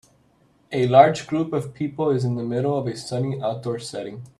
A large group of people is in the middle of a sunny outdoor setting.